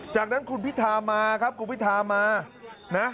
จากนั้นคุณพิธามาครับคุณพิธามานะ